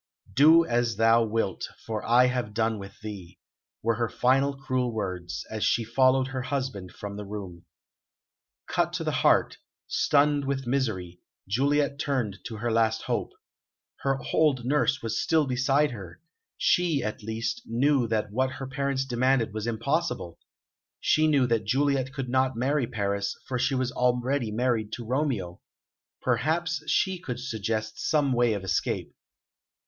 "Do as thou wilt, for I have done with thee," were her final cruel words, as she followed her husband from the room. Cut to the heart, stunned with misery, Juliet turned to her last hope. Her old nurse was still beside her; she, at least, knew that what her parents demanded was impossible; she knew that Juliet could not marry Paris, for she was already married to Romeo. Perhaps she could suggest some way of escape.